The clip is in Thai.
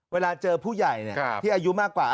เวลาเจอผู้ใหญ่ที่อายุมากกว่า